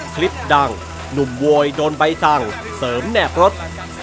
คลิปดังหนุ่มโวยโดนใบสั่งเสริมแนบรถ